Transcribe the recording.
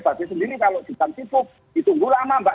busway sendiri kalau ditangkipuk ditunggu lama mbak